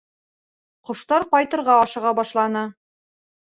Ҡоштар ҡайтырға ашыға башланы.